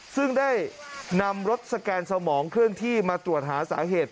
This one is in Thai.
ซึ่งได้นำรถสแกนสมองเคลื่อนที่มาตรวจหาสาเหตุ